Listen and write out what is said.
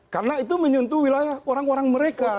karena itu menyentuh wilayah orang orang mereka